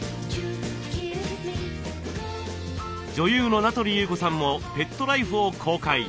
女優の名取裕子さんもペットライフを公開。